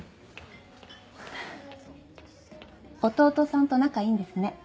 義弟さんと仲いいんですね。